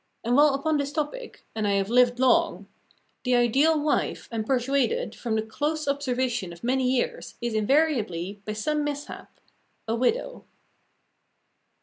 And while upon this topic and I have lived long the ideal wife, I am persuaded, from the close observation of many years, is invariably, by some mishap, a widow....